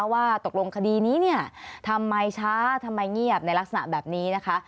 ว่าตกลงคดีนี้เนี่ยทำไมช้าทำไมเงียบในลักษณะแบบนี้นะคะ